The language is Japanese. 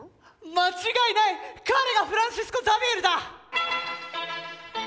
間違いない彼がフランシスコ・ザビエルだ！